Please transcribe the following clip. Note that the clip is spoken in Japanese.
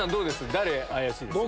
誰怪しいですか？